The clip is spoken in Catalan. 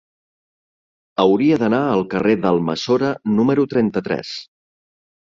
Hauria d'anar al carrer d'Almassora número trenta-tres.